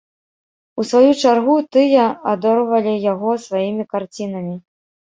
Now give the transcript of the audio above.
У сваю чаргу тыя адорвалі яго сваімі карцінамі.